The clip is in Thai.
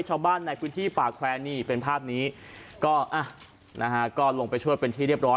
ชาวบ้านในพื้นที่ป่าแควร์นี่เป็นภาพนี้ก็อ่ะนะฮะก็ลงไปช่วยเป็นที่เรียบร้อย